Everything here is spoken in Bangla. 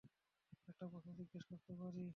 একটা প্রশ্ন জিজ্ঞেস করতে পারি?